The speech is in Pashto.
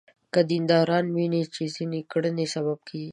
که دینداران ویني چې ځینې کړنې سبب کېږي.